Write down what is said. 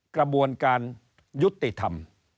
กระบวนการยุติธรรม